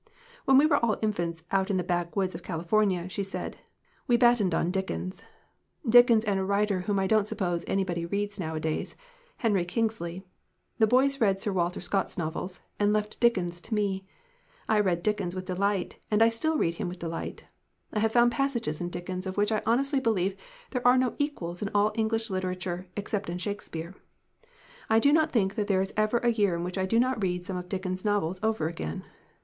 "When we were all in fants out in the backwoods of California," she said, "we battened on Dickens. Dickens and a writer whom I don't suppose anybody reads now adays Henry Kingsley. The boys read Sir 27 LITERATURE IN THE MAKING Walter Scott's novels, and left Dickens to me. I read Dickens with delight, and I still read him with delight. I have found passages in Dickens of which I honestly believe there are no equal in all English literature except in Shakespeare. I do not think that there is ever a year in which I do not read some of Dickens' s novels over again.